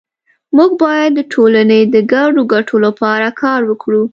مونږ باید د ټولنې د ګډو ګټو لپاره کار وکړو